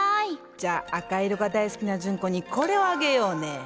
じゃあ赤色が大好きな純子にこれをあげようねえ。